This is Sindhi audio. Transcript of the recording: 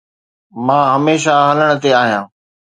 مان هميشه هلڻ تي آهيان